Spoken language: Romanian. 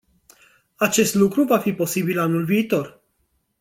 Acest lucru va fi posibil anul viitor.